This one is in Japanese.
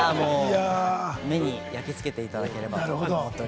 目に焼き付けていただければと思います。